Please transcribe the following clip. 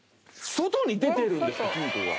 外に出てるんですか。